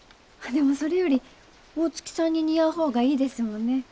あっでもそれより大月さんに似合う方がいいですもんね。